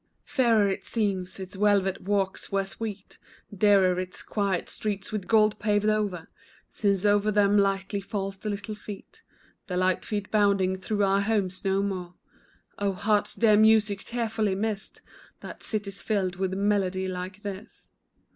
Fairer it seems, its velvet walks were sweet, Dearer its quiet streets, with gold paved o'er, Since o'er them lightly fall the little feet The light feet bounding through our homes no more; Oh, heart's dear music, tearfully missed, That city's filled with melody like this.